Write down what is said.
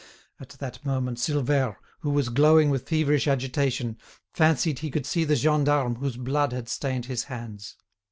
At that moment Silvère, who was glowing with feverish agitation, fancied he could see the gendarme whose blood had stained his hands.